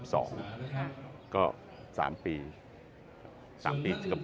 แต่ลงทางนี้เราเปลี่ยนทักด้วย